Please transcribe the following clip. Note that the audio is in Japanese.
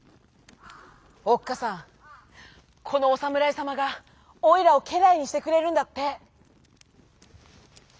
「おっかさんこのおさむらいさまがオイラをけらいにしてくれるんだって」。